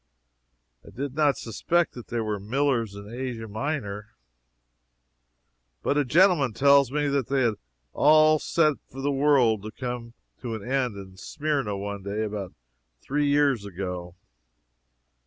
I did not suspect that there were Millers in Asia Minor, but a gentleman tells me that they had it all set for the world to come to an end in Smyrna one day about three years ago.